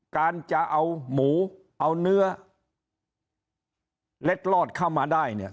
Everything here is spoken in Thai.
การจะเอาหมูเอาเนื้อเล็ดลอดเข้ามาได้เนี่ย